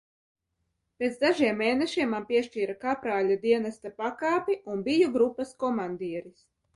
Pēc dažiem mēnešiem man piešķīra kaprāļa dienesta pakāpi un biju grupas komandieris.